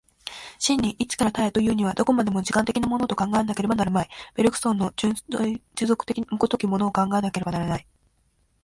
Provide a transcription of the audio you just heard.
真に一から多へというには、どこまでも時間的なものと考えなければなるまい、ベルグソンの純粋持続の如きものを考えなければなるまい。